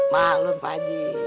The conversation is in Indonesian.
maklum pak haji